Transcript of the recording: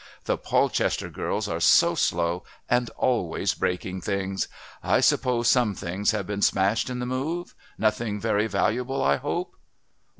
The Polchester girls are so slow and always breaking things. I suppose some things have been smashed in the move nothing very valuable, I hope."